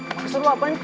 emang seru apaan cuy